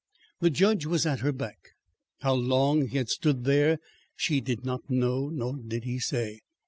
The judge was at her back. How long he had stood there she did not know, nor did he say.